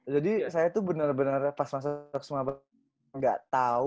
jadi saya tuh bener bener pas masuk ke semaba gak tahu